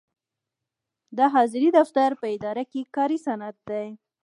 د حاضرۍ دفتر په اداره کې کاري سند دی.